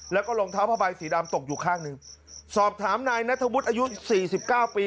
แล้วก็รองเท้าผ้าใบสีดำตกอยู่ข้างหนึ่งสอบถามนายนัทวุฒิอายุสี่สิบเก้าปี